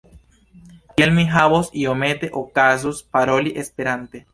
Tiel mi havos iomete okazon paroli Esperante.